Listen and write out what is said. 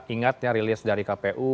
ingatnya rilis dari kpu